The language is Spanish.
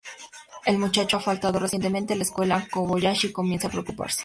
El muchacho ha faltado recientemente a la escuela y Kobayashi comienza a preocuparse.